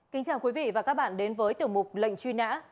kính chào quý vị và các bạn đến với tiểu mục lệnh truy nã